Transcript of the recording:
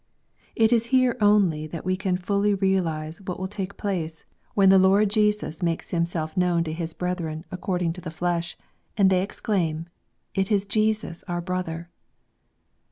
It is here only Jhat we can fully realize what will take place when the Lord VI preface. Jesus makes Himself known to his brethren accord ing to the flesh, and they exclaim, " It is Jesus our brother